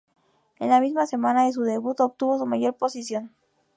En la misma semana de su debut, obtuvo su mayor posición.